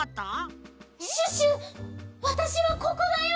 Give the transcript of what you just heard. シュッシュわたしはここだよ！